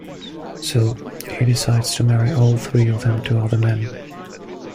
So, he decides to marry all three of them-to other men.